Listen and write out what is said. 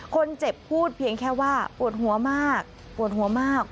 คนเจ็บพูดเพียงแค่ว่าปวดหัวมากปวดหัวมาก